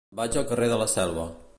Vaig al carrer de la Selva.